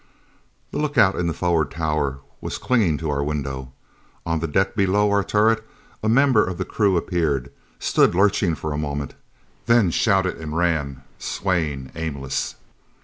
The lookout in the forward tower was clinging to our window. On the deck below our turret a member of the crew appeared, stood lurching for a moment, then shouted and ran, swaying, aimless.